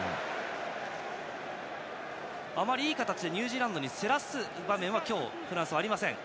あまりいい形でニュージーランドに競らす場面は今日のフランスにはありません。